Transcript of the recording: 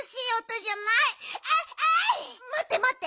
まってまって。